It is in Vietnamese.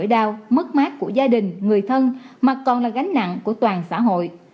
nỗi đau mất mát của gia đình người thân mà còn là gánh nặng của toàn xã hội